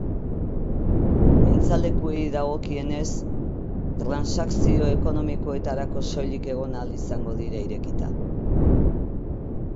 Mintzalekuei dagokienez, transakzio ekonomikoetarako soilik egon ahal izango dira irekita.